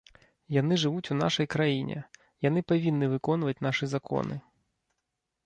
Яны жывуць у нашай краіне, яны павінны выконваць нашы законы.